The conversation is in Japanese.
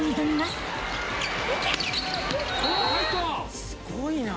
すごいな！